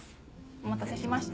お待たせしました。